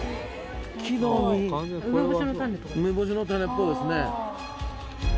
梅干しの種っぽいですね。